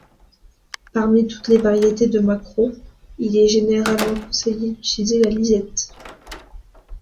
Parmi toutes les variétés de maquereaux, il est généralement conseillé d'utiliser la lisette.